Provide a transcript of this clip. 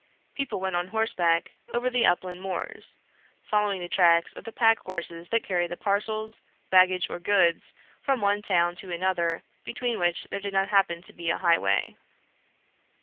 People went on horseback over the upland moors, following the tracks of the pack horses that carried the parcels, baggage, or goods from one town to another, between which there did not happen to be a highway.